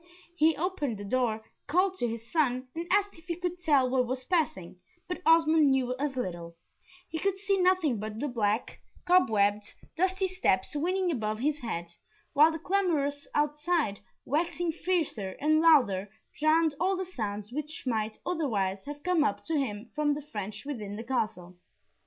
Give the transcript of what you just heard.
He opened the door, called to his son, and asked if he could tell what was passing, but Osmond knew as little he could see nothing but the black, cobwebbed, dusty steps winding above his head, while the clamours outside, waxing fiercer and louder, drowned all the sounds which might otherwise have come up to him from the French within the Castle.